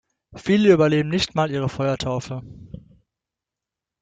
Viele überlebten nicht mal ihre Feuertaufe.